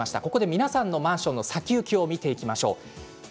皆さんのマンションの先行きを見ていきましょう。